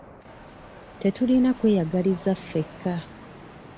Tetulina kweyagaliza ffeka.